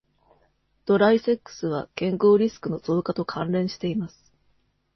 ドライセックスは健康リスクの増加と関連しています。